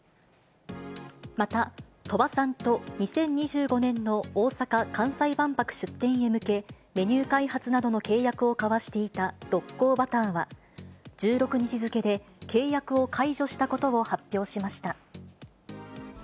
また、鳥羽さんと２０２５年の大阪・関西万博出展へ向け、メニュー開発などの契約を交わしていた六甲バターは、１６日付で契約を解除したことを発表しました。